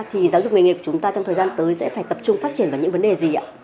thì giáo dục nghề nghiệp của chúng ta trong thời gian tới sẽ phải tập trung phát triển vào những vấn đề gì ạ